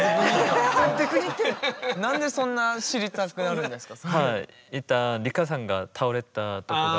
何でそんな知りたくなるんですか？